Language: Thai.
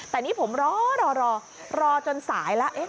แต่นี่ผมรอรอจนสายแล้ว